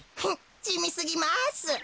フッじみすぎます。